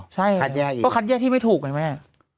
ใช่ก็คัดแยกที่ไม่ถูกไงแม่